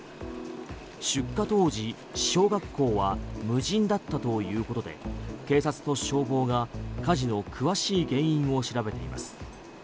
出火当時小学校は無人だったということで警察と消防が火事の詳しい原因を調べています。